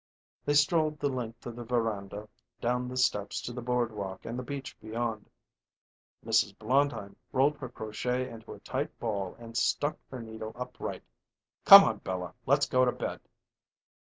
They strolled the length of the veranda, down the steps to the boardwalk and the beach beyond. Mrs. Blondheim rolled her crochet into a tight ball and stuck her needle upright. "Come on, Bella; let's go to bed."